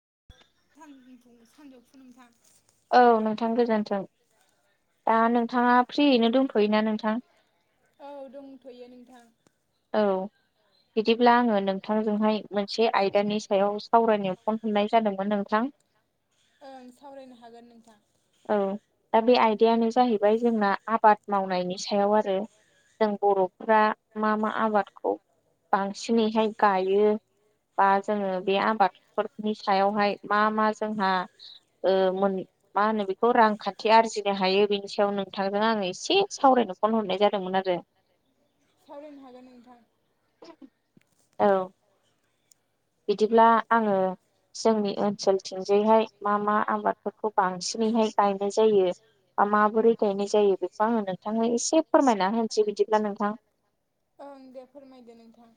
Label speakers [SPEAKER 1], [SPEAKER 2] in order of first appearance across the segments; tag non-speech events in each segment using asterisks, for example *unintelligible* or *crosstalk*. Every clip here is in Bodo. [SPEAKER 1] *unintelligible*
[SPEAKER 2] औ नोंथां गोजोन्थों। दा नोंथाङा फ्रियैनो दंथ'योना नोंथां
[SPEAKER 1] औ दंथ'यो नोंथां
[SPEAKER 2] औ बिदिब्ला आङो नों नोंथांजोंहाय मोनसे आयदानि सायाव सावरायनो फन हरनाय जादोंमोन नोंथां
[SPEAKER 1] ओं सावरायनो हागोन नोंथां
[SPEAKER 2] औ दा बे आयदायानो जाहैबाय जोंना आबाद मावनायनि सायाव आरो जों बर'फ्रा मा मा आबादखौ बांसिनैहाय गायो बा जोङो बे आबादफोरनि सायावहाय मा मा जोंहा ओ मोन मा होनो बेखौ रांखान्थि आरजिनो हायो बेनि सायाव नोंथांजों आङो एसे सावरायनो फन हरनाय जादोंमोन आरो *inaudible*
[SPEAKER 1] सावरायनो हागोन नोंथां
[SPEAKER 2] औ बिदिब्ला आङो जोंनि ओनसोलथिंजायहाय मा मा आबादफोरखौ बांसिनैहाय गायनाय जायो बा माबोरै गायनाय जायो बेखौ आङो नोंथांनो एसे फोरमायना होनोसै बिदिब्ला नोंथां
[SPEAKER 1] ओं दे फोरमायदो नोंथां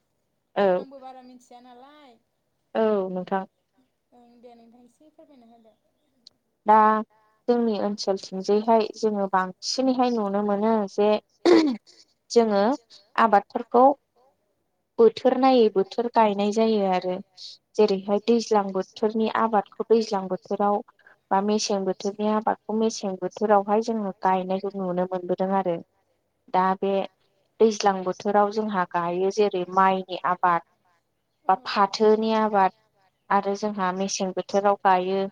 [SPEAKER 1] आंबो बारा मिथिया नालाय
[SPEAKER 2] औ नोंथां
[SPEAKER 1] ओं दे नोंथां एसे फोरमायना होदो
[SPEAKER 2] दा जोंनि ओनसोलथिंजैहाय जोङो बांसिनैहाय नुनो मोनो जे जोङो आबादफोरखौ बोथोर नायै बोथोर गायनाय जायो आरो जेरैहाय दैज्लां बोथोरनि आबादखौ दैज्लां बोथोराव बा मेसें बोथोरनि आबादखौ मेसें बोथोरावहाय जों जोंङो गायनायखौ नुनो मोनबोदों आरो दा बे दैज्लां बोथोराव जोंहा गायो जे जे माइनि आब बा फाथोनि आबाद आरो जोंहा मेसें बोथोराव गायो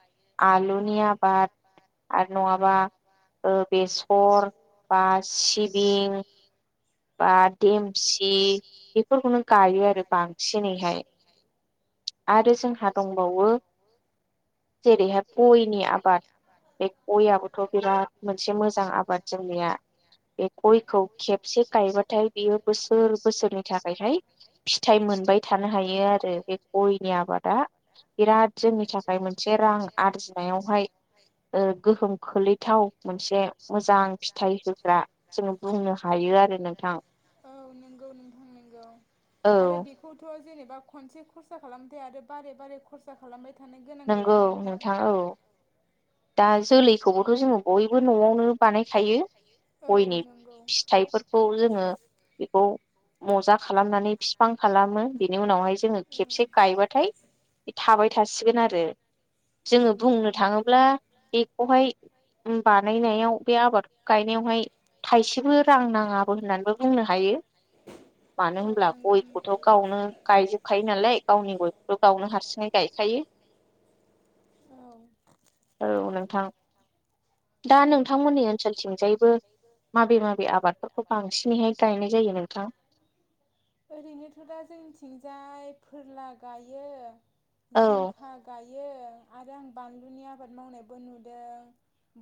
[SPEAKER 2] आलुनि आबाद आरो नङाबा ओ बेसर बा सिबिं बा देमसि बेफोरखौनो गायो आरो बांसिनैहाय आरो जोंहा दंबावो जेरैहाय गयनि आबाद बे गयआाबबोथ' बिराद मोनसे मोजां आबाद जोंनिया *inaudible* बे गयखौ खेबसे गायबाथाय बियो बोसोर बोसोरनि थाखायहाय फिथाइ मोनबाय बाय थानो हायो आरो बे गय बिराद जोंनि थाखाय मोनसे रां आरजिनायावहाय ओ गोहोम खोलैथाव मोनसे मोजां फिथाइ होग्रा जोङो बुंनो हायो बियो आरो नोंथां
[SPEAKER 1] औ नंगौ नोंथां नंगौ आरो बेखौथ' जेनेबा खनसे खरसा खालामबाथाय आरो बारे बारे खरसा खालामबाय
[SPEAKER 2] नंगौ नोंथां औ दा जोलैखौबोथ' जोङो बयबो न'आवनो बानायखायो गयनि फिथाइफोर खौ जोङो बेखौ मजा खालामनानै बिफां खालामो बिनि उनावहाय जोङो खेबसे गायबाथाय थाबाय थासिगोन आरो जोङो बुंनो थाङोब्ला बेखौहाय उम बानायनायाव बे आबादखौ गायनायावहाय थाइसेबो रां नाङाबो होननानैबो बुंनो हायो मानो होनब्ला गयखौथ' गावनो गायजोबखायो नालाय गावनि गयखौथ' गावनो हारसिङै गाय खायो औ नोंथां दा नोंथांमोननि ओनसोलथिंजायबो माबे माबे आबादफोरखौ बांसिनैहाय गायनाय जायो नोंथां। झा
[SPEAKER 1] ओरैनोथ' दा जोंनिथिंजाय फोरला गायो जिंखा गाय यो आरो आं बानलुनि आबाद मावनायबो नुदों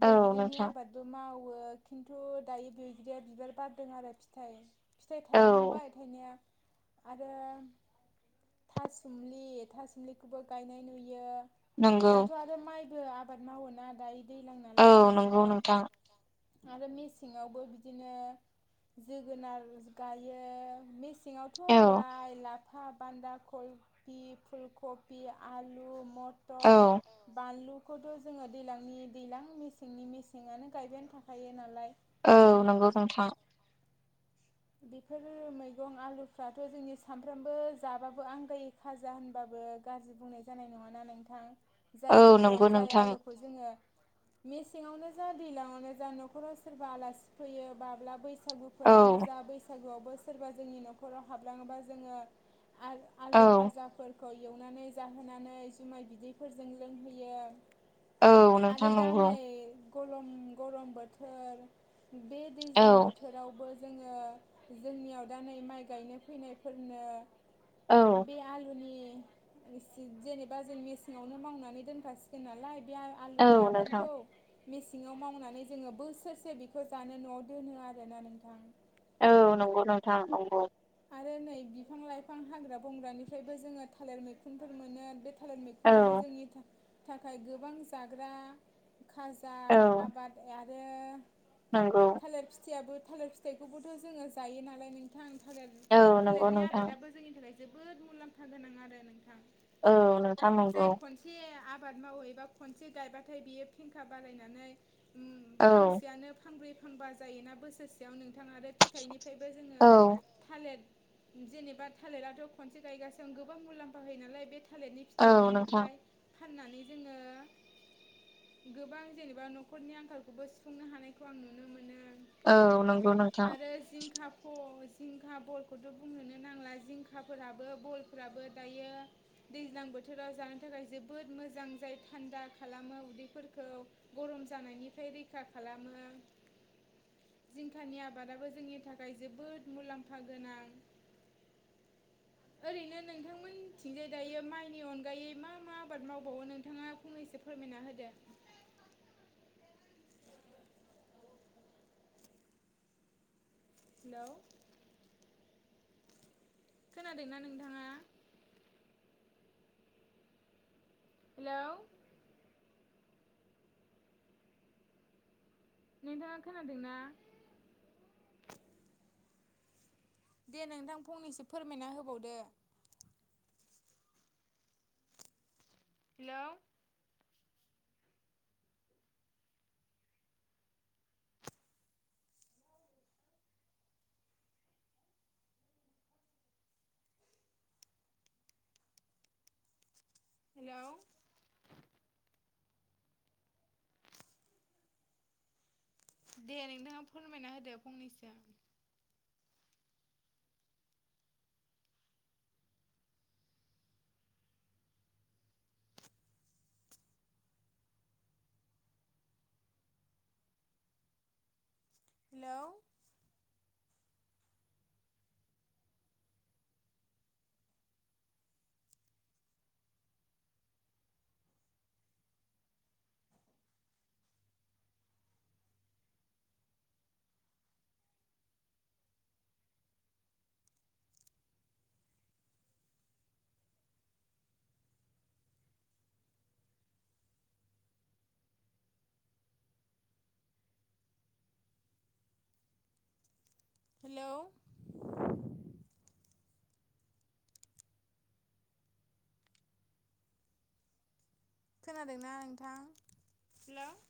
[SPEAKER 1] बैग्रिनि आ मावो खिन्थु दायो बैग्रिया बिबार बारदों आरो फिथाइ फिथाइ थायहांबाय थाइनाया आरो थासुमलि थासुमलिखौबो गायनाय नुयो। दाथ' आरो माइबो आबाद मावोना दायो दैलां नालाय नोंथां आरो मेसेङावबो बिदिनो जोगोनारज गायो मेस सिङावथ' लाइ लाफ फा बान्दा खयबि, फुलखबि, आलु, मट टर औ बानलुखौथ' जोङो दैलांनि दैलां मेसेंनि मेस जोंआनो गायबायानो थाखायो नालाय
[SPEAKER 2] औ नंगौ नोंथां।
[SPEAKER 1] बेफोर मैगं आलुफ्राथ' जोंनि सानफ्रोमबो जाबाबो आंगायै खाजा होनबाब बो गाज्रि बुंनाय जानाय नङाना नोंथां जायफोर जाय आलुखौ जोङो मेसेङावनो जा दैलाङावनो जा न'खराव सोरबा आलासि फैयो बाब्ला बैस सागुफोरानो जा बैसागुआवबो सोरबा जोंनि न'खराव हाबलाङोबा जोङो आल आलु भाजाफोर खौ एवनानै जाहोनानै जुमाय बिदैफोरजों लोंहोयो। आरो दा नै गलम गरम बोथोर बे दैज्लां बोथोरावबो ज जोङो जोंनियाव दा नै माइ गायनो फैनायफोरनो बे आलुनि *unintelligible* एसे जेनेबा जों मेसेंआवनो मावनानै दोनफासिगोन नालाय बे आ आलुनि आबादखौ मेसेङाव मावनानै जोङो बोसोरसे बेखो जानो न'आव दोनो आरोना नोंथां।
[SPEAKER 2] औ नंगौ नोंथां नंगौ।
[SPEAKER 1] आरो नै बिफां लाइफां हाग्रा बंग्रानिफ्रायबो जोङो थालिर मैखुनफोर मोनो बेथ थालिर मैखुं आबो जोंनि थाख थाखाय गोबां जाग्रा खाजा आबाद ए आर थालिर फिथाइयाबो थालिर फिथाइखौबोथ' जोङो जायो नालाय नोंथां। थालेद थालिरनि आबादाबो जोंनि थाखाय जोबोद मुलाम्फा गोनां आरो नोंथां।
[SPEAKER 2] औ नोंथां नंगौ।
[SPEAKER 1] आबाद मावहैबा खनसे गायबाथाय बियो फेंखा बारायनानै उम फांसेयानो फांब्रै फांबा जायोना बोसोरसेयाव नोंथाङा आरो फिथाइनिफ्रायबो जोङो थालिर जेनेबा थालिरयाथ' खनसे गायगासेयावनो गोबां मुलाम्फा होयो नालाय बे थालिरनि फिथाइनिफ्राय फाननानै जोङो गोबां जेनेबा न'खरनि आंखालखौबो सुफुंनो हानायखौ आं नुनो मोनो।
[SPEAKER 2] औ नंगौ नोंथां।
[SPEAKER 1] अज जिंखा बलखौथ' बुंनोनो नांला जिंखाफोराबो बलफोराबो दायो दैज्लां बोथ थोराव जानो थाखाय जोबोद मोजां जाय थान्दा खालामो उदैफोरखौ गरम जानायनिफ्राय बे रैखा खालामो।
[SPEAKER 2] *inaudible*
[SPEAKER 1] जिंखानि आबादाबो जोंनि थाखाय जोबोद मुलाम्फा गोनां।
[SPEAKER 2] *inaudible*
[SPEAKER 1] ओरैनो नोंथांमोनथिंजाय दायो माइनि अनगायै मा मा आबाद मावबावो नोंथाङा फंनैसो फोरमायना होदो *unintelligible*
[SPEAKER 2] *inaudible*
[SPEAKER 1] हेल'। खोनादोंना नोंथाङा? हेल'। नोंथाङा खोनादोंना? दे नोंथां फंनैसो फोरमायना होबावदो। हेल'। हेल'। दे नोंथाङा फोरमायना होदो फंनैसो। हेल हेल' खोनादोंना नोंथां हेल'।